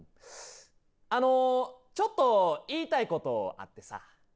あのちょっと言いたい事あってさ。